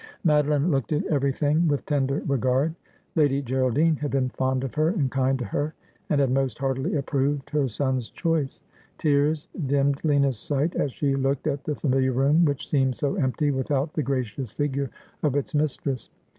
Madeline looked at everything with tender regard. Lady Geraldine had been fond of her and kind to her, and had most heartily approved her son's choice. Tears dimmed Lina's sight as she looked at the familiar room, which seemed so empty with out the gracious figure of its mistress.